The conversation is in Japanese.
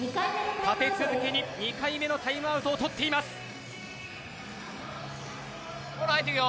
立て続けに２回目のタイムアウトを取っています。